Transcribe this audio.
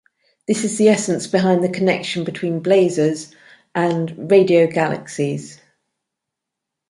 This is the essence behind the connection between blazars and radio galaxies.